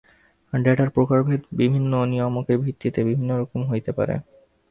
ডেটার প্রকারভেদ বিভিন্ন নিয়ামকের ভিত্তিতে বিভিন্ন রকম হতে পারে।